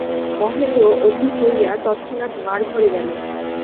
মহেন্দ্র অধীর হইয়া তৎক্ষণাৎ মার ঘরে গেল।